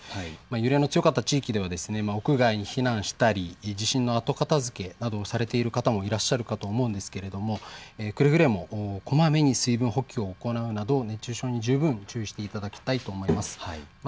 揺れの強かった地域では屋外に避難したり、地震の後片づけなどをされている方もいらっしゃるかと思うんですけれどもくれぐれもこまめに水分補給を行うなど熱中症に十分注意していただきたいと思います。